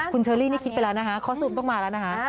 คุณเชอรี่นี่คิดไปแล้วนะคะข้อซูมต้องมาแล้วนะคะ